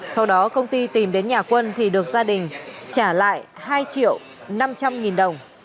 sau đó công ty tìm đến nhà quân thì được gia đình trả lại hai triệu năm trăm linh nghìn đồng